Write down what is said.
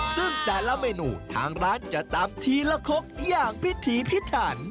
ซึ่งแต่ละเมนูทางร้านจะตำทีละคกอย่างพิถีพิถัน